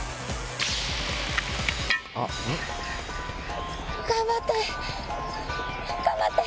う！頑張って頑張って！